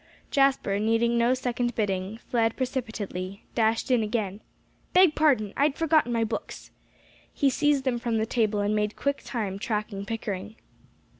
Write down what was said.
Jasper, needing no second bidding, fled precipitately dashed in again. "Beg pardon, I'd forgotten my books." He seized them from the table, and made quick time tracking Pickering.